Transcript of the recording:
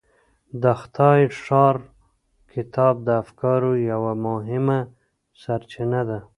د خدای ښار کتاب د افکارو یوه مهمه سرچینه ده.